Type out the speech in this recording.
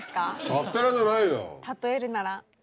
カステラじゃない。